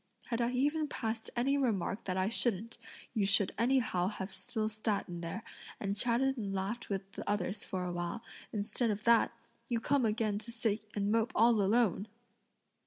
Had I even passed any remark that I shouldn't, you should anyhow have still sat in there, and chatted and laughed with the others for a while; instead of that, you come again to sit and mope all alone!"